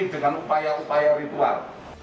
dengan upaya upaya ritual